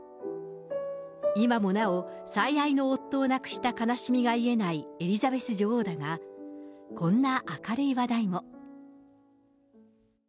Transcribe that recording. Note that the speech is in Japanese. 今もなお、最愛の夫を亡くした悲しみが癒えないエリザベス女王だが、こんな明るい話題も。